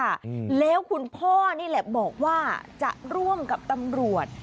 อืมแล้วคุณพ่อนี่แหละบอกว่าจะร่วมกับตำรวจ